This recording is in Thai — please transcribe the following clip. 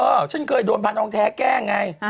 เออฉันเคยโดนพระนองแททแก้งไง